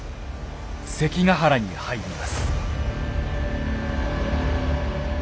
関ヶ原に入ります。